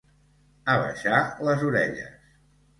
Abaixar les orelles.